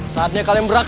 saatnya kalian beraksi